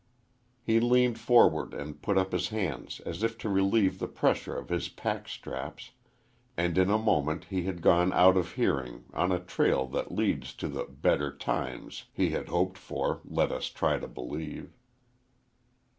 He leaned forward and put up his hands as if to relieve the pressure of his pack straps, and in a moment he had gone out of hearing on a trail that leads to the "better times" he had hoped for, let us try to believe.